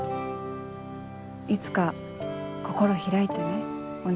いつか心開いてねお姉。